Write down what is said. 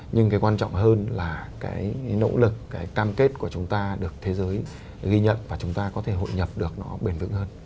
nhưng cái quan trọng hơn là cái nỗ lực cái cam kết của chúng ta được thế giới ghi nhận và chúng ta có thể hội nhập được nó bền vững hơn